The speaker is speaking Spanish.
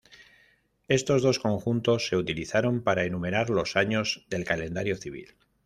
Estos dos conjuntos se utilizaron para enumerar los años del calendario civil.